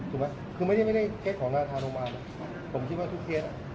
ถูกไหมคือไม่ได้เก็บของงานทานโรมานนะผมคิดว่าทุกเคส